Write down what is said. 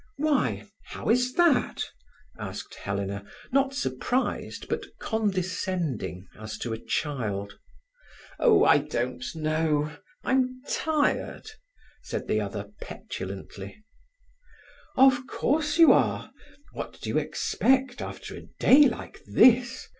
"Why, how is that?" asked Helena, not surprised, but condescending, as to a child. "Oh, I don't know; I'm tired," said the other petulantly. "Of course you are. What do you expect, after a day like this?"